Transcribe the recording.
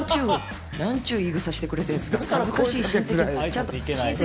なんちゅう言いぐさしてくれてるんですか。